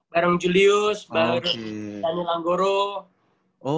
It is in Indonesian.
bareng julius bareng daniel anggoro